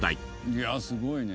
いやあすごいね。